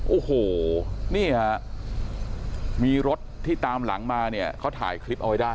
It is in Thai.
โอ้โหนี่ฮะมีรถที่ตามหลังมาเนี่ยเขาถ่ายคลิปเอาไว้ได้